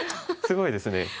すごいですね。